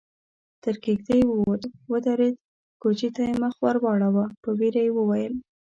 تر کېږدۍ ووت، ودرېد، کوچي ته يې مخ ور واړاوه، په وېره يې وويل: